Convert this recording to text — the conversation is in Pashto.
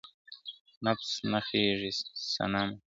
نفس نه خیژي صنمه